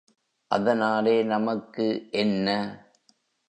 அதனாலே நமக்கு என்ன?